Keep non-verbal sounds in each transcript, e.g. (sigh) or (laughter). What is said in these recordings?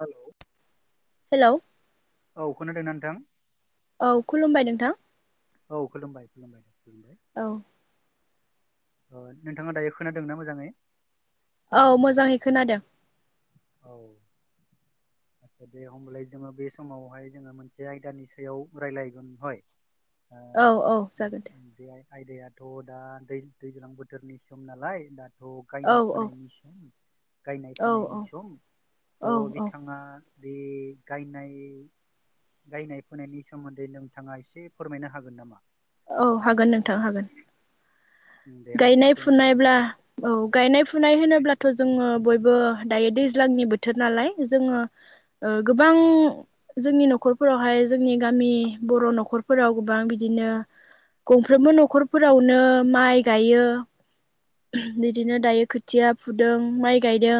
हेल' hello औ खोनादोंना नोंथां? औ खुलुमबाय नोंथां औ खुलुमबाय खुलुमबाय औ अ' नोंथाङा दायो खोनादोंना मोजाङै? औ मोजाङै खोनादों औ दे होमबालाय जोङो बे समावहाय जोङो मोनसे आयदानि सायाव रायज्लायगोन हय ओ औ औ जागोन दे बे आयदायाथ' दा दै दैज्लां बोथोरनि सम नालाय दा थ' औ गायनाय औ फोननि सम गायनाय औ फोनायनि सम औ ज' औ बिथाङा बे गायनाय गायनाय फुनायनि सोमोन्दै नोंथाङा एसे फोरमायनो हागोन नामा? औ हागोन नोंथां हागोन। दे होमबालाय गायनाय फोरमायलाय फुनायब्ला औ गायनाय फु फुनाय होनोब्लाथ' जोङो बयबो दायो दैज्लांनि बोथोर नालाय जोङो ओ गोबां जोंनि न'खरफोरावहाय जोंनि गामि बर' न'खरफोराव गोबां बिदिनो गंफ्रोमबो न'खरफोरावनो माइ गायो। बिदिनो दायो खोथिया फुदों माइ गायदों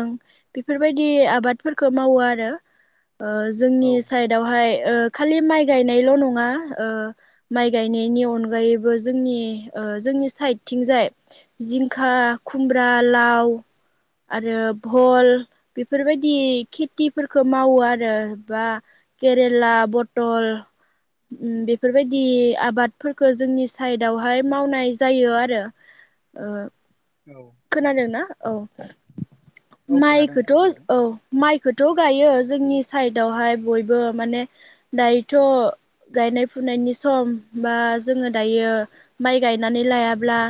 बेफोरबायदि आबादफोरखौ मावो आरो ओ औ जोंनि साइडआवहाय। ओ खालि माइ गायनायल' नङा ओ माइ गायनायनि अनगायैबो जोंनि ओ जोंनि साइडथिंजाय जिंखा, खुमब्रा, लाव, आरो भल बेफोरबायदि खेथिफोरखौ मावो आरो बा केरेला, बटल उम बेफोरबायदि आबादफोरखौ जोंनि साइदावहाय मावनाय जायो आरो। ओ औ खोनादोंना औ औ खोनादों माइखौथ' नोंथां खोनादों औ माइखौथ' गायो जोंनि साइडआवहाय बयबो माने दायोथ' गायनाय फुनायनि सम बा जोङो दायो माइ गायनानै लायाब्ला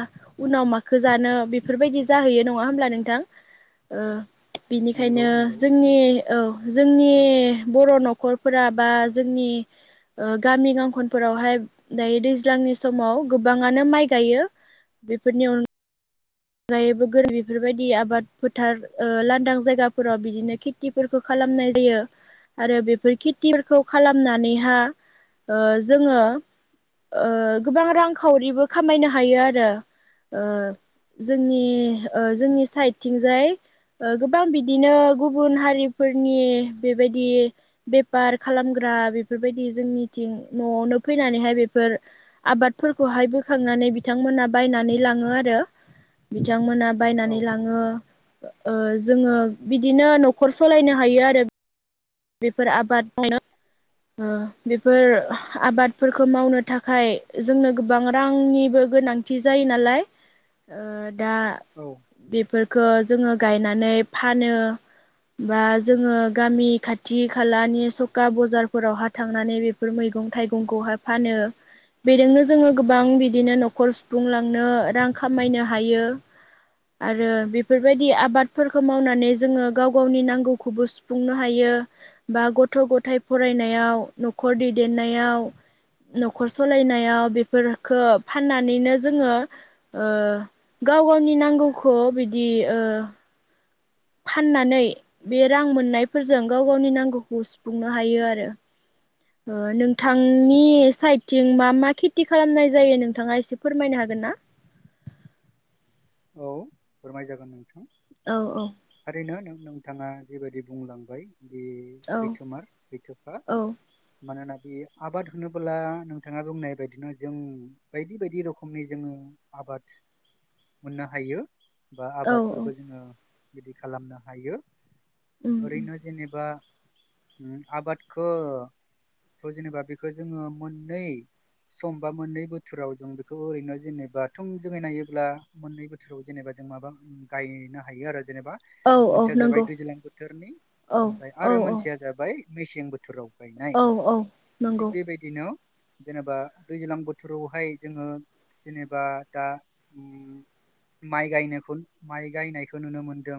उनाव माखौ जानो बेफोरबायदि जाहैयो नङा होमब्ला नोंथां? नंगौ बेनिखायनो नंगौ जोंनि औ जोंनि बर' न'खरफोरा बा जोंनि ओ गामि गांखनफोरावहाय दायो दैज्लांनि समाव गोबाङानो माइ गायो। बेफोरनि अन गायैबो गोर बेफोरबायदि आबाद फोथार ओ लांदां जायगाफोराव बिदिनो खेथिफोरखौ खालाम खालामनाय जायो आरो बेफोर खेथिफोरखौ खालामनानैहा ओ जोङो ओ गोबां रांखावरिबो खामायनो हायो आरो ओ जोंनि ओ जोंनि साइदथिंजाय ओ गोबां बिदिनो गुबुन हारिफोरनि बेबायदि बेफार खालामग्रा दा बिफोरबायदि जोंनिथिं न'आवनो फैनानैहाय बेफोर आबादफोरखौहाय बोखांनानै बिथांमोना बायनानै लाङो आरो बिथांमोना औ बायनानै लाङो। ओ जोङो बिदिनो न'खर सलायनो हायो आरो। बेफोर आबाद (unintelligible) (inaudible) ओ बेफोर आबादफोरखौ मावनो थाखाय जोंनो गोबां रांनिबो। गोनांथि जायो नालाय ओ दा औ बेफोरखौ जोङो गायनानै फानो बा जोङो गामि खाथ थि खालानि सखा बजारफोरावहाय थांनानै बेफोर मैगं थाइगंखौहाय फानो। बेजोंनो जोङो गोबां बिदिनो न'खर सुफुंलांनो रां खामायनो हायो। आरो बिफोरबायदि आबादफोरखौ मावनानै जोङो गाव गावनि नांगौखौबो सुफुंनो हायो। बा गथ' गथाय फरायनायाव न'खर दैदेननायाव न'खर सलायनायाव बेफोरफोरखो फाननानैनो जोङो ओ गाव गावनि नांगौखौ बिदि ओ फाननानै बे रां मोननायफोरजों गाव गावनि नांगौखौ सुफुंनो हायो आरो। ओ नोंथांनि साइडथिं मा मा खेथि खालामनाय जायो नोंथाङा एसे फोरमायनो हागोन ना? औ फोरमाय जागोन नोंथां। औ औ। बेनो नोंथाङा जेबायदि बुंलांबाय बे औ सैथोमार सैथोखा औ मानोना बे आबाद होनोबोला नोंथाङा बुंनाय बायदिनो जों बायदि बायदि रोखोमनि जोङो आ बाद मोननो हायो बा औ उम आबादफोरखौ जोङो बिदि खालामनो हायो। उम ओरैनो जेनेबा आबादखो खौ जेनेबा बेखौ जोङो मोननै समबा मोननै बोथोराव जों बेखौ ओरैनो जेनेबा थोंजोंयै नायोब्ला मोननै बोथोराव जेनेबा जों माबा गायनो हायो आरो जेनेबा औ मोनसेया जाबाय नंगौ दैज्लां बोथोरनि औ ओमफ्राय औ आरो मोनसेया जाबाय मेसें बोथोर बोथोराव गायनाय औ औ थिग नंगौ बेबायदिनो जेनेबा दैज्लां बोथोरावहाय जोङो जेनेबा दा माइ गायनायखौ माइ गायनायखौ नुनो मोनदों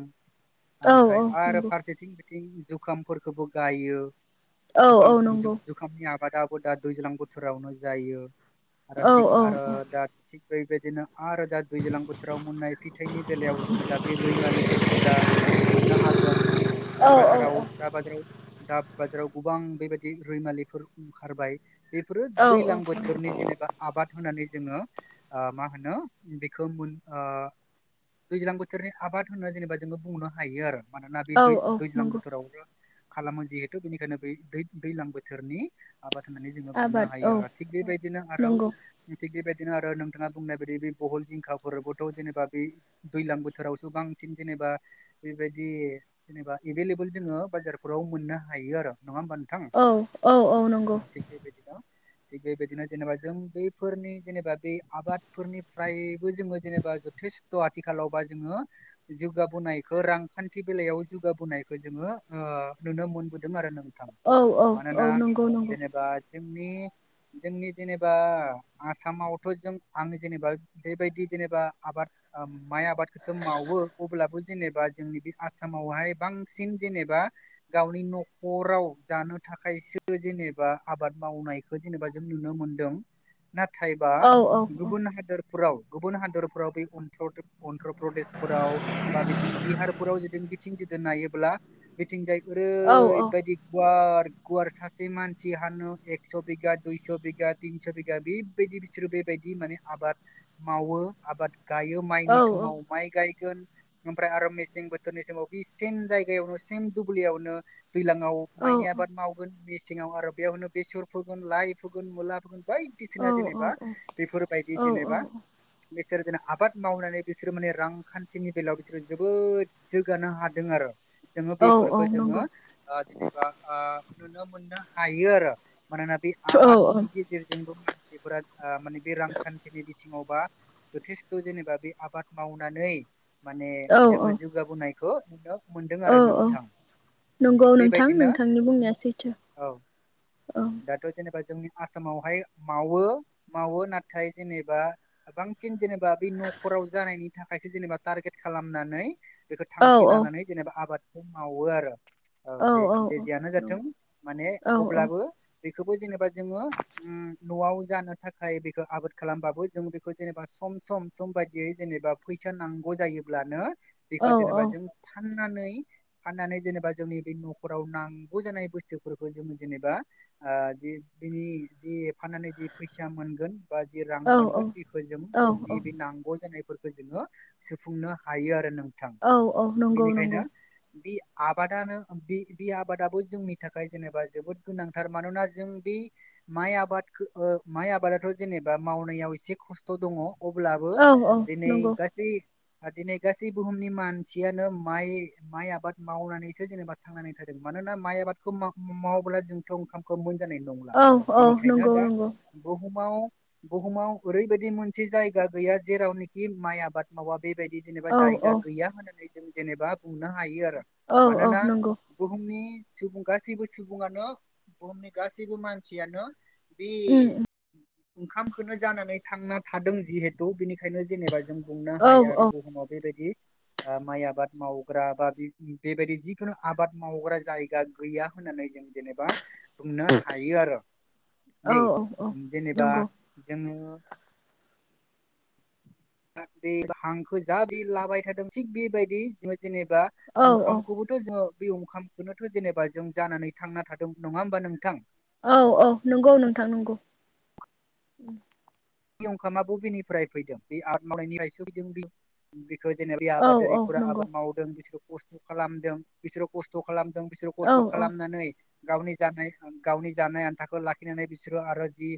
औ ओमफ्राय औ आरो नंगौ फारसेथिं बिथिं जुखामफोरखोबो गायो औ औ नंगौ जुखाम-जुग-जुखामनि आ बादाबो दा दैज्लां बोथोरावनो जायो आरो औ थिग औ आरो दा थिग बैबायदिनो आरो दा दैज्लां बोथोराव मोननाय फिथाइनि बेलायाव जोङो दा बे रैमालिफोरखौ दा मोननो हागोन। औ दा बाजाराव दा बाजाराव दा बाजाराव गोबां बेबायदि रैमालिफोर ओंखारबाय। बेफोरो औ औ दैलां नंगौ बोथोरनि जेनेबा आबाद होनानै जोङो मा होनो। बेखो मोन ओ दैज्लां बोथोरनि आबाद होननानै जेनेबा जोङो बुंनो हायो आरो। मानोना बे औ औ दै-दैज्लां नंगौ बोथोरावनो खालामो जिहेथु बेनिखायनो बै दै-दैज्लां बोथोरनि आबाद होननानै जोङो बुंनो आबाद हायो औ आरो थिग बेबायदिनो आरो नंगौ थिग बेबायदि बिदि आरो नोंथाङा बुंनाय बायदि बे बहल जिंखाफोरबोथ' जेनेबा बे दैजलां बोथोरावसो बांसिन जेनेबा बेबायदि जेनेबा एभेलेबल जोङो बाजारफोराव मोननो हायो आरो। नङा होमबा नोंथां औ औ औ नंगौ थिग बेबायदिनो थिग बेबायदिनो जेनेबा जों बैफोरनि जेनेबा बे आबादफोरनिफ्राय बो जोंबो जेनबा जथेसथ' आथिखालावबा जोङो जौगाबोनायखो रांखान्थि बेलायाव गाबोनायखौ जोङो ओ नुनो मोनबोदों आरो नों औ औ औ नंगौ नंगौ। जोंनि जोंनि जेनेबा आसामावथ' जों आं जेनेबा बेबायदि जेनेबा आबाद ओ माइ आबादखौथ' मावो अब्लाबो जेनेब बा जोंनि बे आसामावहाय बांसिन जेनेबा गावनि न'खराव जानो थाखाय एसेबो जेनेबा आबाद मावनायखौ जेनेबा जों नुनो मोनदों। नाथायबा औ औ औ गुबुन हादरफोराव गुबुन हादरफोराव बे अनथाव अन्ध्र प्रदेशफोराव बा बिथिं बिहारफोराव जुदि बिथिं जुदि नायोब्ला बिथिंजाय औ ओरैबादि गुवार गुवार सासे मानसि हानो एकस' बिगा दुइस' बिगा तिनस' बिगा बेबायदि बिसोरो बेबा बिदि आबाद मावो आबाद गायो औ माइनि औ समाव माइ गाय गोन ओमफ्राय आरो मेसें बोथोरनि समाव बे सेम जायगायावनो सेम दुब्लियावनो दैलाङाव माइनि आबाद मावगोन मेसेङाव आरो बेयावनो बेसर फोगोन लाइ फोगोन मुला फोगोन। बायदिसिना जेनेबा बेफोरबायदि जेनेबा बिसोर जेन आबाद मावनानै बिसोरो माने रांखान्थिनि बेलायाव बिसोरो जोबोद जौगानो हादों आरो जोङो बेफोरखौ जोङो नंगौ औ ओ जेनेबा ओ नुनो मोननो हायो आरो। मानोना बे औ आबादनि गेजेरजोंबो मानसिफोरा ओ माने बे रां खान्थिनि बिथिङावबा जथेस्थ' जेनेबा बे आबाद मावनानै माने औ औ जोङो जौगाबोनायखो औ औ नंगौ थिग नोंथां बेबायदिनो नोंथांनि बुंनाया सैथो औ औ दाथ' जेनेबा जोंनि आसामावहाय मावो मावो ना थाय जेनेबा बांसिन जेनेबा बे न'खराव जानायनि थाखायसो जेनेबा टारगेट खालामनानै बेखौ थांखि औ लानानै जेनेबा आबादखौ मावो आरो औ दे औ दे औ जेयानो जाथों नंगौ माने औ औ अब्लाबो बेखौबो जेनेबा जोङो ओ न'आव जानो थाखाय बे खो आबोद खालामबाबो जों बेखौ जेनेबा सम सम सम बायदियै जेनेबा फैसा नांगौ जायोब्लानो औ औ बेखौ जेनेबा जों फाननानै फाननानै जेनेबा जोंनि बे न'खराव नांगौ जानाय बुस्थुफोरखौ जोङो जेनेबा ओ जि बिनि जि फाननानै जि फैसा मोनगोन बा जि रां मोनगोन बेखौ जों औ जोंनि बे नांगौ जानायफोर जोङो सुफुंनो हायो आरो नों औ औ नंगौ नंगौ। बे आबादानो बे बे आबादाबो जोंनि थाखाय जेनेबा जोबोद गोनांथार मानोना जों बे माइ आबादखो ओ माइ आबादाथ जेनेबा मावनायाव एसे खस्थ' दङ अब्लाबो औ औ दिनै नंगौ गासै दिनै गासै बुहुमनि मानसियानो माइ माइ आबाद मावनानैसो जेनेबा थांनानै थादों मान नोना माइ आबादखौ माव माबोला जोंथ' ओखामखौ मोन जानाय नंला औ औ बेनिखायनो नंगौ दा नंगौ बुहुमाव बुहुमाव ओरैबायदि मोनसे जायगा गैया जेरावनोखि माइ आबाद मावा। बेबायदि जेनेबा औ जायगा औ गैया होननानै जों जेनेबा बुंनो हायो आरो। औ औ मानोना नंगौ बुहुमनि सुबुं गासैबो सुबुङानो बुहुमनि गासैबो मानसियानो बे उम उम ओंखामखौनो जानो थांना थादों जिहेथु बिनिखायनो जेनेबा जों बुंनो औ हाया आरो बुहुमाव बेबायदि ओ माइ आबाद मावग्रा बा बेबायदि जिखुनु आबाद मावग्रा जायगा गैया होननानै जों जेनेबा बुंनो हायो आरो औ दै औ जेनेबा नंगौ (unintelligible) बे हांखो जा बि लाबाय थादों थिग बेबायदि जों जेनेबा औ ओंखामखौबोथ' जोङो बे ओंखामखौनोथ' जेनेबा जों जानानै थांना थादों नङा होमबा नोंथां? औ औ नंगौ नोंथां नंगौ ओम। बे अंखामा बबेनिफ्राय फैदों बे (unintelligible) बे जेनेबा बे औ औ आबादारिफोरा नंगौ आबाद मावदों बिसोरो खस्थ' खालामदों बिसोरो खस्थ' खालाम थों बिसोर औ खस्थ' औ खालामनानै गावनि जानाय गावनि जानाय आन्थाखौ लाखिनानै बिसोरो आरो जि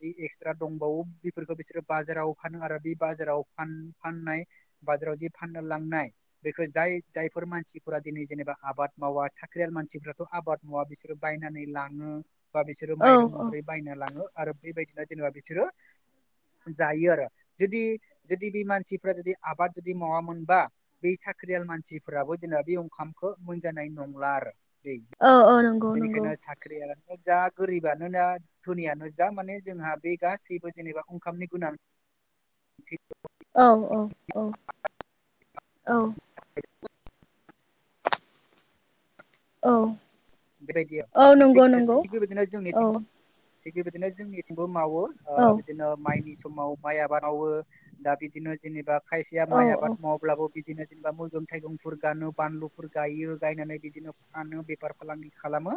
जि एक्सट्रा दंबावो बेफोरखौ बिसोरो बाजाराव फानो आरो बे बाजाराव फान फाननाय बाजाराव जे फाननो लांनाय बेखौ जाय जायफोर मानसिफोरा दिनै जेनेबा आबाद मावा साख्रियाल मानसिफ्राथ' आबाद मावा बिसोरो बायनानै लाङो बा बिसोरो औ माइरं महरै बायना लाङो आरो बेबायदिनो जेनेबा बिसोरो जायो आरो जुदि जुदि बे मानसिफ्रा जुदि आबाद जुदि मावामोनबा बे साख्रिया मानसिफोराबो जेनेबा बे ओंखामखौ मोनजानाय नंला आरो। दै औ औ नंगौ। नंगौ बेनिखायनो साख्रि यानो जा गोरिबानो ना धोनियानो जा माने जोंहा बे गासैबो जेनेबा ओंखामनि गोनां थि। औ औ औ औ। (unintelligible) औ। बेबायदियाव औ थि नंगौ नंगौ थिग बेबायदिनो औ जोंनिथिंबो थिग बेबायदिनो जोंनिथिंबो मावो अ औ बिदिनो माइनि समाव माइ आबाद मावो दा बिदिनो जेनेबा खायसेया औ माइ आबाद मावब्लाबो बिदिनो जेनेबा मैगं थाइगंफोर गानो बानलुफोर गायो गायनानै बिदिनो फानो बेफार फालांगि खालामो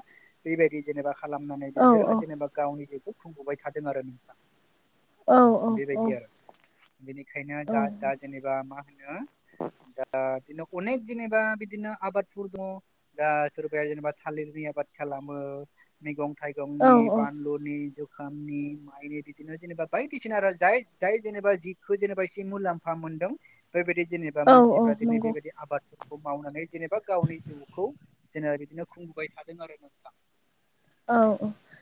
बेबायदि जेनेबा खालामनानै औ बिसोरो जेनेबा गावनि जेखौ खुंबोबाय थादों आरो नोंथां। औ औ बेबायदि औ। आरो बेनिखायनो दा दा जेनेबा मा होनो दा बिदिनो अनेक जेनेबा बिदिनो आबादफोर दङ दा सोरबाया जेनेबा थालिरनि आबाद खालामो मैगं थाइगंनि बानलुनिु जु खामनि माइनि बिदिनो जेनेबा बायदिसिना आरो जाय जाय जेनेबा जि जिखो जेनेबा एसे मुलाम्फा मोनो मोनदों बेबायदि जेनेबा औ औ मानसिफ्रा दिनै नंगौ बेबायदि आबादफोरखौ मावनानै जेनेबा गावनि जिउखौ जेनेबा बिदिनो खुंबोबाय थादों आरो नोंथां। औ दे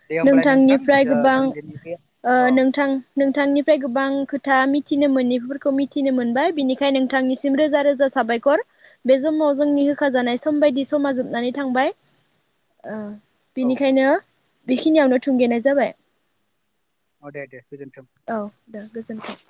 दे होमबालाय नोंथां नोंथांनिफ्राय गोबां जों दिनै बे ओ औ नोंथां नोंथांनिफ्राय गोबां खोथा मिथि मिथिनो मोनैफोरखौ मिथिनो मोनबाय बिनिखायनो नोंथांनिसिम रोजा रोजा साबायखर। बे समाव जोंनि होखाजानाय सम बायदि समा जोबनानै थांबाय ओ। औ बेनिखायनो बेखिनियावनो थुंगेनाय जाबाय। औ दे दे गोजोन्थों औ गोजोन्थों दे गोजोनथों।